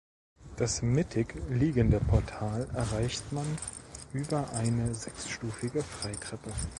Das mittig liegende Portal erreicht man über eine sechsstufige Freitreppe.